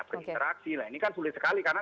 berinteraksi nah ini kan sulit sekali karena